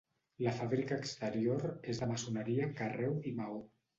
La fàbrica exterior és de maçoneria, carreu, i maó.